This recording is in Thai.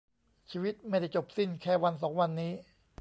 ชีวิตไม่ได้จบสิ้นแค่วันสองวันนี้